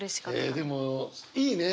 えっでもいいね。